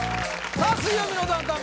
さあ「水曜日のダウンタウン」